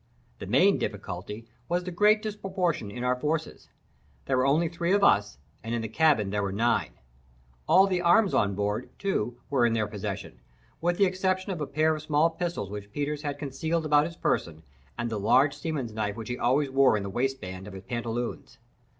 The main difficulty was the great disproportion in our forces. There were only three of us, and in the cabin there were nine. All the arms on board, too, were in their possession, with the exception of a pair of small pistols which Peters had concealed about his person, and the large seaman's knife which he always wore in the waistband of his pantaloons.